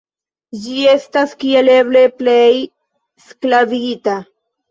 Ĝi estas kiel eble plej sklavigita.